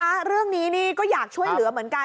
เรื่องนี้นี่ก็อยากช่วยเหลือเหมือนกัน